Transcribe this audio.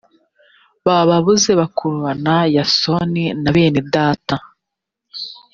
bababuze bakurubana yasoni na bene data